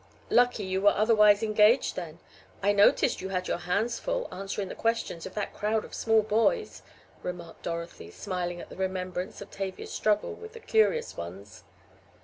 "Lucky you were otherwise engaged then. I noticed you had your hands full answering the questions of that crowd of small boys," remarked Dorothy, smiling at the remembrance of Tavia's struggle with the curious ones.